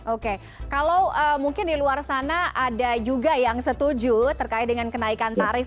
oke kalau mungkin di luar sana ada juga yang setuju terkait dengan kenaikan tarif